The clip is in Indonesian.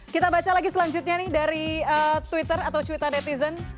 kita baca lagi selanjutnya nih dari twitter atau cuitan netizen